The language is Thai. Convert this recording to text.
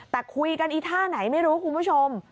แต่คุยกันอีท่าไหนไม่รู้คุณผู้ชม